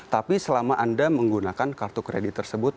tapi selama anda menggunakan kartu kredit tersebut